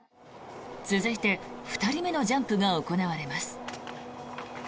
続いて、２人目のジャンプが行われます。